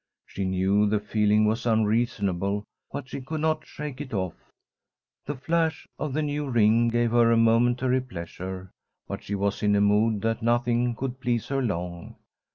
She knew the feeling was unreasonable, but she could not shake it off. The flash of the new ring gave her a momentary pleasure, but she was in a mood that nothing could please her long.